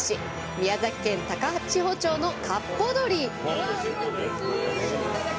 宮崎県高千穂町の、かっぽ鶏。